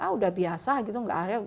ah udah biasa gitu